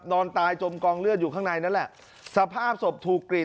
นอนตายจมกองเลือดอยู่ข้างในนั่นแหละสภาพศพถูกกรีด